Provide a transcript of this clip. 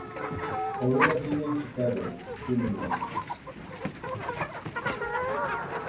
Ahora vive en Chicago, Illinois.